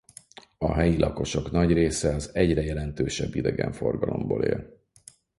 A helyi lakosok nagy része az egyre jelentősebb idegenforgalomból él.